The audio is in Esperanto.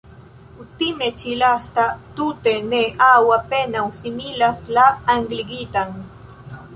Kutime ĉi-lasta tute ne aŭ apenaŭ similas la angligitan.